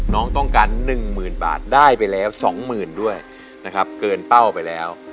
น้องต้องการหนึ่งหมื่นบาทได้ไปแล้วสองหมื่นด้วยนะครับเกินเป้าไปแล้ว